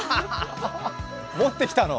持ってきたの？